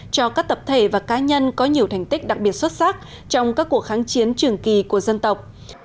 cho các tập thể và cá nhân có nhiều thành tích đặc biệt xuất sắc trong các cuộc kháng chiến trường kỳ của dân tộc